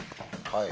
はい。